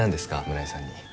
村井さんに。